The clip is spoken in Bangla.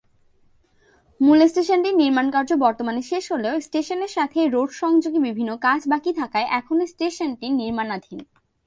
মূল স্টেশনটির নির্মাণকার্য বর্তমানে শেষ হলেও স্টেশনের সাথে রোড-সংযোগী বিভিন্ন কাজ বাকি থাকায় এখনও স্টেশনটি নির্মাণাধীন।